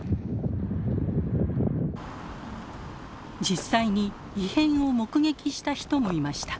実際に異変を目撃した人もいました。